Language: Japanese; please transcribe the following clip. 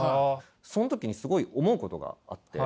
その時にすごい思うことがあって。